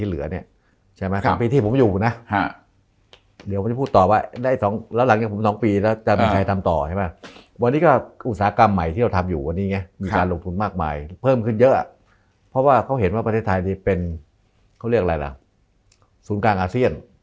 เรายังทำอยู่นี่ไงมีการลงทุนมากมายเพิ่มขึ้นเยอะเพราะว่าเขาเห็นว่าประเทศไทยนี้เป็นเขาเรียกอะไรล่ะสูงกลางแอเซียน